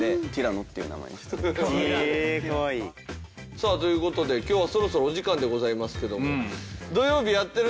さあという事で今日はそろそろお時間でございますけども。